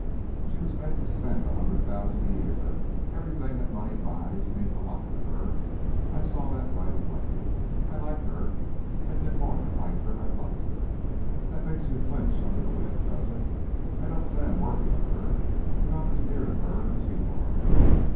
"She was made to spend a hundred thousand a year. Everything that money buys means a lot to her. I saw that right away. I like her. I did more than like her. I loved her. That makes you flinch under the whip, does it? I don't say I'm worthy of her, but I'm as near to her as you are.